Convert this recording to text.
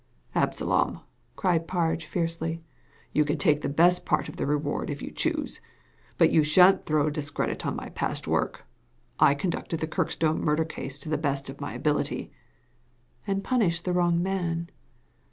" Absalom !" cried Parge, fiercely. You can take the best part of the reward if you choose, but you shan't throw discredit on my past work. I con ducted the Kirkstone murder case to the best of my ability." "And punished the wrong man."